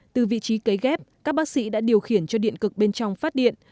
từ vị trí cấy ghép các bác sĩ đã điều khiển cho điện cực bên trong phát điện